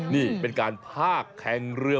นี่เป็นการพากแข่งเรือ